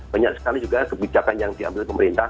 banyak sekali juga kebijakan yang diambil pemerintah